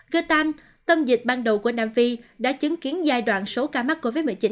ghe tan tâm dịch ban đầu của nam phi đã chứng kiến giai đoạn số ca mắc covid một mươi chín